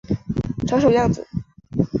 长什么样子